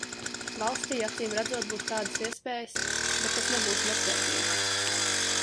Valstij acīmredzot būs tādas iespējas, bet tas nebūs masveidīgi.